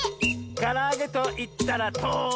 「からあげといったらとり！」